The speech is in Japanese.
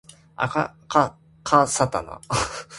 あかかかさたな